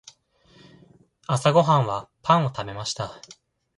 朝ごはんはパンを食べました。